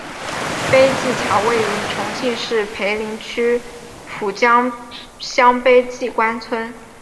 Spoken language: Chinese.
碑记桥位于重庆市涪陵区蒲江乡碑记关村。